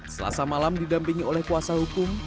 selasa malam didampingi oleh kuasa hukum